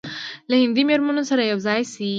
له هندي منورینو سره یو ځای شي.